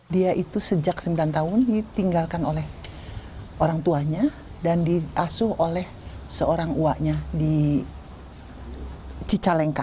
dia itu sejak sembilan tahun ditinggalkan oleh orang tuanya dan diasuh oleh seorang uaknya di cicalengka